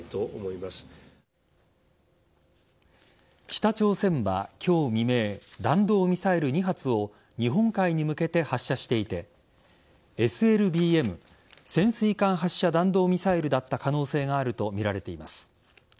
北朝鮮は今日未明弾道ミサイル２発を日本海に向けて発射していてＳＬＢＭ＝潜水艦発射弾道ミサイルだった可能性があるとみられています。